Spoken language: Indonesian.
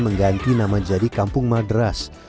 mengganti nama jadi kampung madras